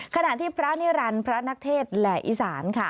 ขณะที่พระนิรันดิ์พระนักเทศแหล่อีสานค่ะ